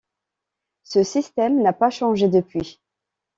Ce système n'a pas changé depuis.